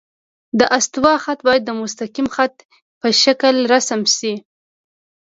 د استوا خط باید د مستقیم خط په شکل رسم شي